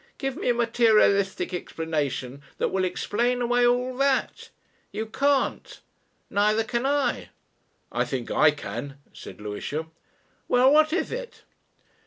Give me a materialistic explanation that will explain away all that. You can't. Neither can I." "I think I can," said Lewisham. "Well what is it?"